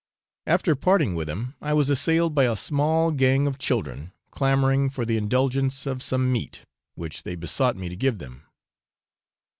After parting with him, I was assailed by a small gang of children, clamouring for the indulgence of some meat, which they besought me to give them.